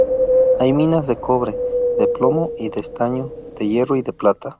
Hay minas de cobre, de plomo, de estaño, de hierro y de plata.